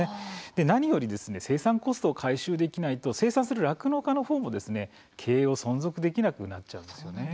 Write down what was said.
何より生産コストを回収できないと生産する酪農家の方も経営を存続できなくなっちゃうんです。